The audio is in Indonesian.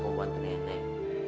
mau bantu nenek